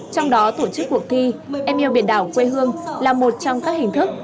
trong đó tổ chức cuộc thi em yêu biển đảo quê hương là một trong các hình thức